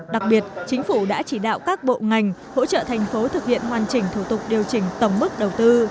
đặc biệt chính phủ đã chỉ đạo các bộ ngành hỗ trợ thành phố thực hiện hoàn chỉnh thủ tục điều chỉnh tổng mức đầu tư